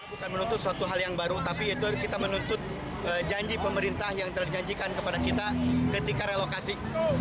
bukan menuntut suatu hal yang baru tapi itu kita menuntut janji pemerintah yang telah dijanjikan kepada kita ketika relokasi